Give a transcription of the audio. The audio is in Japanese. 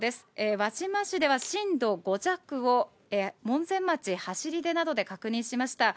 輪島市では震度５弱を、もんぜん町はしりでなどで確認しました。